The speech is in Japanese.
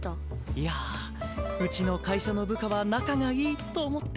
いやあうちの会社の部下は仲がいいと思って。